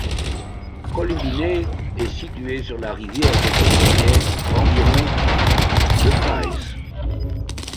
Kolimbiné est située sur la rivière de Kolimbiné, à environ de Kayes.